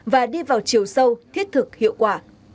và đi vào chiều sâu thiết thực hiệu quả